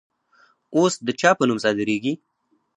اوس د چا په نوم صادریږي؟